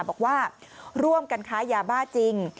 บอกว่าร่วมกันค้ายาบ้าจริง